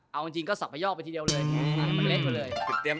เอาจริงก็สรรพย่อไปทีเดียวเลย